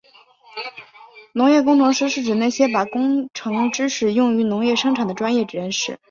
农业工程师是指那些把工程知识用于农业生产的专业人士。